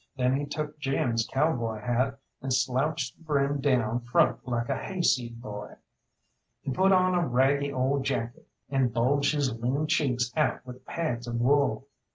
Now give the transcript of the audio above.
Then he took Jim's cowboy hat, and slouched the brim down front like a hayseed boy. He put on a raggy old jacket, and bulged his lean cheeks out with pads of wool.